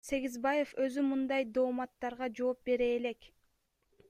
Сегизбаев өзү мындай дооматтарга жооп бере элек.